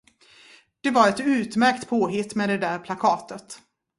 Det var ett utmärkt påhitt med det där plakatet.